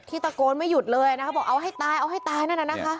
ตะโกนไม่หยุดเลยนะคะบอกเอาให้ตายเอาให้ตายนั่นน่ะนะคะ